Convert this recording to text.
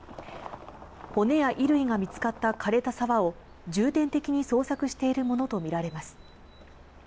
骨や衣類が見つかった、かれた沢を重点的に捜索しているものと見られます。